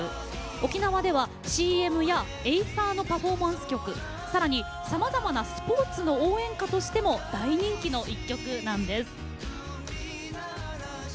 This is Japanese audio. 沖縄ではＣＭやエイサーのパフォーマンス曲さらに、さまざまなスポーツの応援歌としても大人気の一曲なんです。